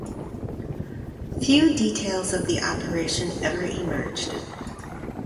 Few details of the operation ever emerged.